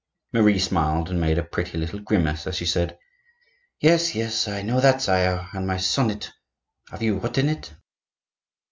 Marie smiled and made a pretty little grimace as she said: "Yes, yes, I know that, sire. And my sonnet, have you written it?"